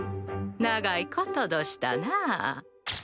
長いことどしたなあ。